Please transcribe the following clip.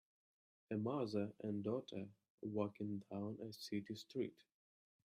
A mother and daughter walking down a city street.